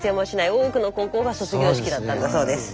多くの高校が卒業式だったんだそうです。